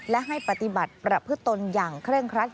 และให้ปฏิบัติประพฤตนอย่างเคร่งครัด